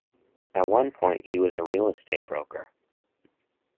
At one point, he was a real-estate broker.